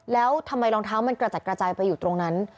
แล้วทำไมรองเท้ามันกระจัดกระจายไปอยู่ตรงนั้น